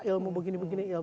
ilmu begini begini